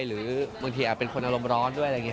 หรือบางทีอาจเป็นคนอารมณ์ร้อนด้วย